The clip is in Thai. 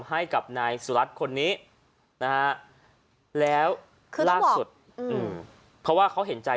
ให้กับนายสุรัตน์คนนี้นะฮะแล้วล่าสุดเพราะว่าเขาเห็นใจ